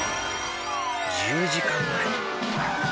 １０時間前。